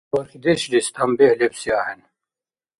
Бархьдешлис танбихӀ лебси ахӀен.